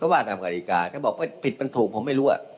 ว่าตามกฎิกาถ้าบอกผิดมันถูกผมไม่รู้